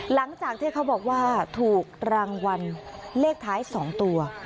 หลังจากที่เขาบอกว่าถูกรางวัลเลขท้าย๒ตัว